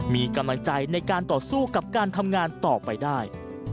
มีกำลังใจในการต่อสู้กับการทำงานต่อไปได้